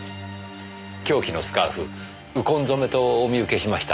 凶器のスカーフウコン染めとお見受けしました。